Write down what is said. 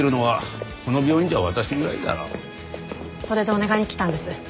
それでお願いに来たんです。